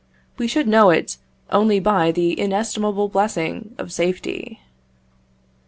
We should know it only by the inestimable blessing of Safety.